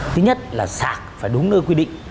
thứ nhất là sạc phải đúng nơi quy định